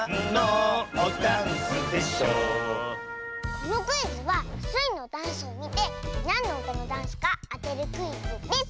このクイズはスイのダンスをみてなんのうたのダンスかあてるクイズです！